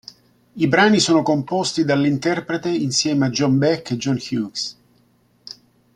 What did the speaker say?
I brani sono composti dall'interprete insieme a John Beck e John Hughes.